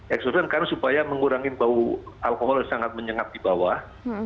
eksident karena supaya mengurangi bau alkohol yang sangat menyengat di bawah